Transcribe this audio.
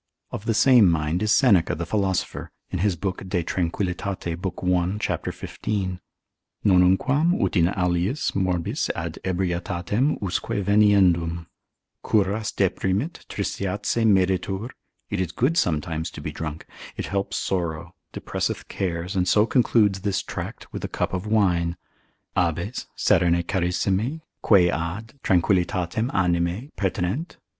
Of the same mind is Seneca the philosopher, in his book de tranquil. lib. 1. c. 15. nonnunquam ut in aliis morbis ad ebrietatem usque veniendum; Curas deprimit, tristitiae medetur, it is good sometimes to be drunk, it helps sorrow, depresseth cares, and so concludes this tract with a cup of wine: Habes, Serene charissime, quae ad, tranquillitatem animae, pertinent.